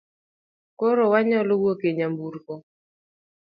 Koro wanyalo wuok e nyamburko.